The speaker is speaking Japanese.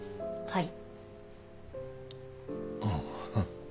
はい。